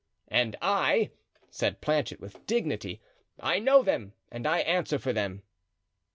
"And I," said Planchet, with dignity, "I know them and I answer for them."